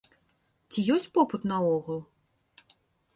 Ці ёсць попыт наогул?